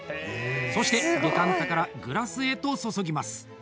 そしてデカンタからグラスへと注ぎます。